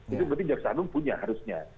itu berarti kejaksaan agung punya harusnya